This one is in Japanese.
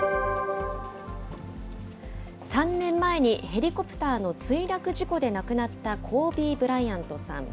３年前にヘリコプターの墜落事故で亡くなったコービー・ブライアントさん。